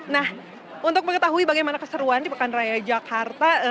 nah untuk mengetahui bagaimana keseruan di pekan raya jakarta